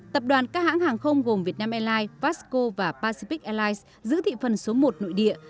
tập đoàn các hãng hàng không gồm vietnam airlines vasco và pacific airlines giữ thị phần số một nội địa